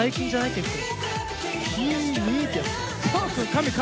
結構。